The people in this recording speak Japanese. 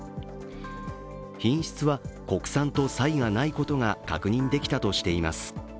品質は国産と差異がないことが確認できたとしています。